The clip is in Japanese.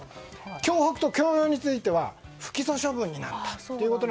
脅迫と強要については不起訴処分になったと。